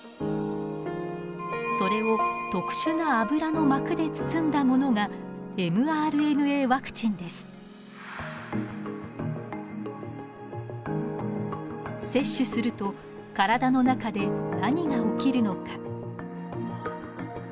それを特殊な脂の膜で包んだものが接種すると体の中で何が起きるのか。